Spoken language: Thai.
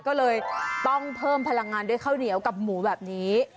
ก็เลยต้องเพิ่มพลังงานด้วยข้าวเหนียวกับหมูแบบนี้